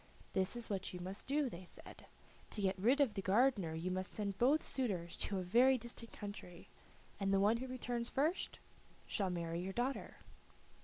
"This is what you must do," they said. "To get rid of the gardener you must send both suitors to a very distant country, and the one who returns first shall marry your daughter."